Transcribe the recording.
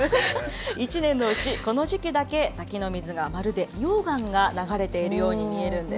１年のうち、この時期だけ、滝の水がまるで溶岩が流れているよう本当。